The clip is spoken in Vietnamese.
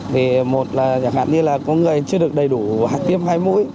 thì một là chẳng hạn như là có người chưa được đầy đủ hạt tiêm hai mũi